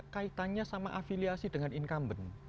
kaitannya sama afiliasi dengan incumbent